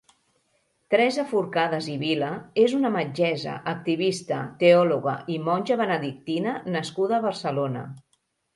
Teresa Forcades i Vila és una metgessa, activista, teòloga i monja benedictina nascuda a Barcelona.